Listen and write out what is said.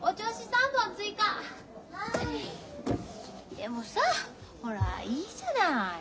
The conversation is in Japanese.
でもさほらいいじゃない。